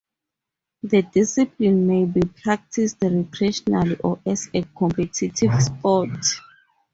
The discipline may be practiced recreationally or as a competitive sport.